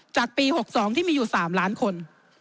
จากปี๖๒ที่มีอยู่๓ล้านคน